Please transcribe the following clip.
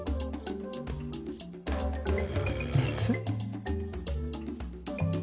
熱？